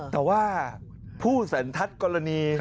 แต่ว่าผู้สันทัศน์กรณี